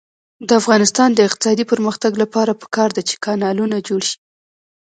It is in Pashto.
د افغانستان د اقتصادي پرمختګ لپاره پکار ده چې کانالونه جوړ شي.